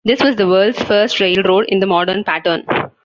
This was the world's first railroad in the modern pattern.